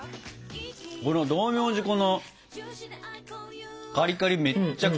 この道明寺粉のカリカリめっちゃくちゃ合いますね。